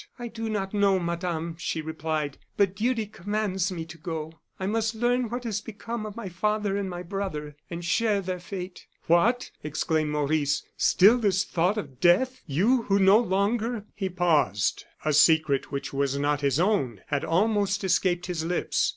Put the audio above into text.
"I do not know, Madame," she replied; "but duty commands me to go. I must learn what has become of my father and my brother, and share their fate." "What!" exclaimed Maurice; "still this thought of death. You, who no longer " He paused; a secret which was not his own had almost escaped his lips.